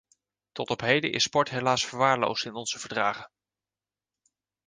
Tot op heden is sport helaas verwaarloosd in onze verdragen.